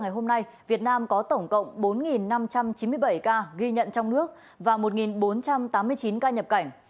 ngày hôm nay việt nam có tổng cộng bốn năm trăm chín mươi bảy ca ghi nhận trong nước và một bốn trăm tám mươi chín ca nhập cảnh